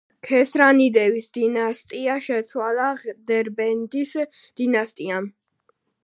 ქესრანიდების დინასტია შეცვალა დერბენდის დინასტიამ.